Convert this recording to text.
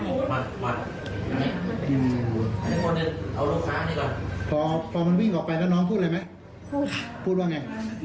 พูดค่ะพูดว่าอย่างไร